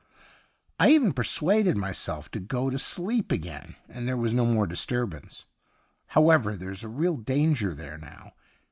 I even pei'suaded myself to go to sleep again, and there was no more disturbance. However, there's a real danger there now.